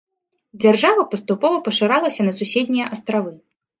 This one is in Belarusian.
Дзяржава паступова пашыралася на суседнія астравы.